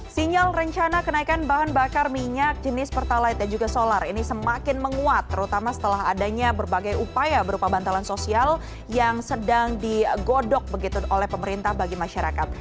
sinyal rencana kenaikan bahan bakar minyak jenis pertalite dan juga solar ini semakin menguat terutama setelah adanya berbagai upaya berupa bantalan sosial yang sedang digodok begitu oleh pemerintah bagi masyarakat